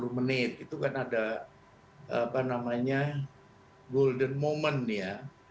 tiga puluh menit itu kan ada apa namanya golden moment ya